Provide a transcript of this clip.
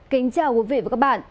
kính chào quý vị và các bạn